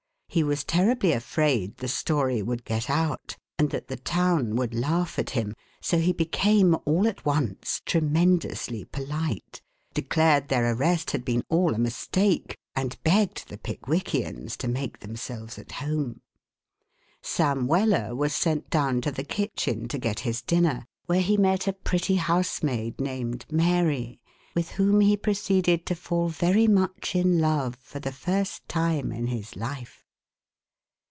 He was terribly afraid the story would get out and that the town would laugh at him, so he became all at once tremendously polite, declared their arrest had been all a mistake and begged the Pickwickians to make themselves at home. Sam Weller was sent down to the kitchen to get his dinner, where he met a pretty housemaid named Mary, with whom he proceeded to fall very much in love for the first time in his life.